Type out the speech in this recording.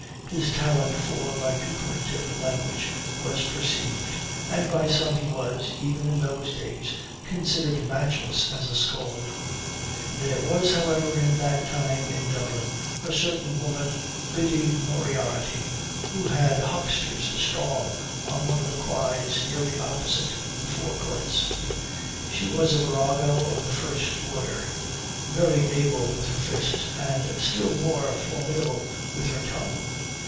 His talent for vituperative language was perceived, and by some he was, even in those days, considered matchless as a scold. There was, however, at that time in Dublin, a certain woman, Biddy Moriarty, who had a huckster's stall on one of the quays nearly opposite the Four Courts. She was a virago of the first order, very able with her fist, and still more formidable with her tongue.